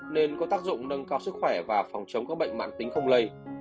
nên có tác dụng nâng cao sức khỏe và phòng chống các bệnh mạng tính không lây